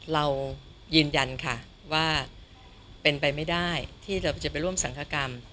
เรายืนยันค่ะว่าเป็นไปไม่ได้ที่เราจะไปร่วมสังคกรรม